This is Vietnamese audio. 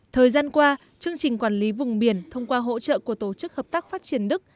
thời gian qua chương trình quản lý vùng biển thông qua hỗ trợ của tổ chức hợp tác phát triển đức